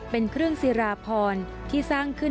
เป็นเครื่องศิราพรที่สร้างขึ้น